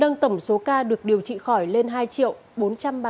nâng tổng số ca được điều trị khỏi lên hai bốn trăm ba mươi tám chín trăm năm mươi một ca